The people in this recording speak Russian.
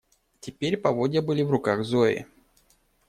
Теперь поводья были в руках Зои.